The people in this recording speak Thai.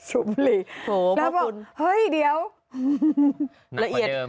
สูบบุหรี่โอ้โหพ่อคุณแล้วบอกเฮ้ยเดี๋ยวระเอียด